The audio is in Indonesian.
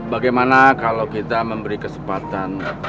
bagaimana kalau kita memberi kesempatan